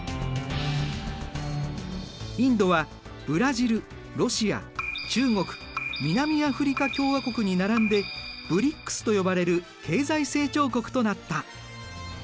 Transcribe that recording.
インドはブラジルロシア中国南アフリカ共和国に並んでＢＲＩＣＳと呼ばれる経済成長国となった。